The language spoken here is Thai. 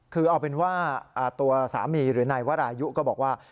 คือเอาเป็นว่าตัวสามีหรือนายวรายุก็บอกว่า